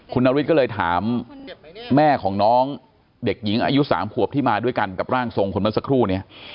คุณนฤทธิ์ก็เลยถามแม่ของน้องเด็กหญิงอายุ๓ขวบที่มาด้วยกันกับร่างทรงคนเมื่อสักครู่นี้